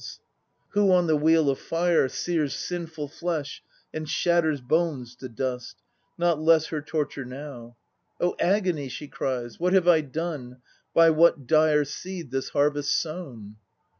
140 THE NO PLAYS OF JAPAN Who on the Wheel of Fire Sears sinful flesh and shatters bones to dust. Not less her torture now! "Oh, agony!" she cries, "What have I done, By what dire seed this harvest sown?"